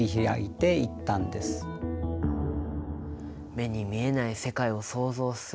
目に見えない世界を想像する。